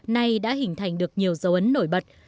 nay đã hình thành được nhiều dấu ấn nổi bật